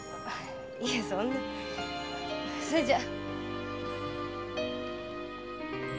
いえそんなそれじゃ。